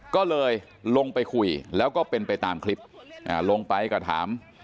ก็เลยลงไปคุยแล้วก็เป็นไปตามคลิปลงไปก็ถาม